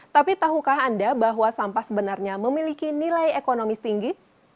tapi tahukah anda bahwa sampah sebenarnya memiliki nilai ekonomi tinggi